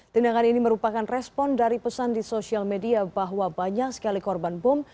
tindakan ini merupakan respon dari pesan di sosial media bahwa banyak sekali korban bom